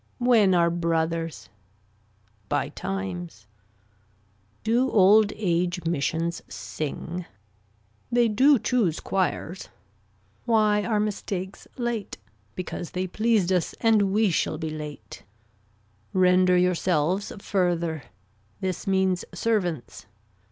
When are brothers. By times. Do old age missions sing. They do choose choirs. Why are mistakes late. Because they pleased us and we shall be late. Render yourselves further. This means servants.